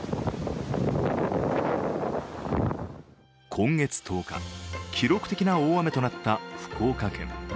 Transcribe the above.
今月１０日、記録的な大雨となった福岡県。